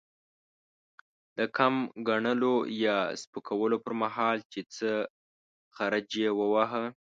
د کم ګڼلو يا سپکولو پر مهال؛ چې څه خرج يې وواهه.